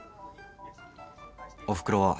おふくろは。